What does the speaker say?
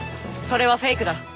それはフェイクだ。